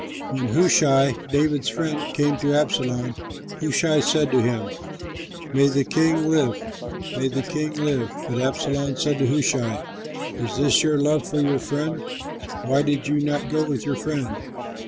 When Hushai, David's friend, came to Absalom, Hushai said to him, "May the king live, may the king live!" But Absalom said to Hushai, "Is this your love for your friend? Why did you not go with your friend?"